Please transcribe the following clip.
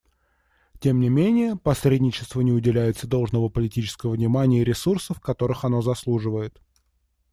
Тем не менее посредничеству не уделяется должного политического внимания и ресурсов, которых оно заслуживает.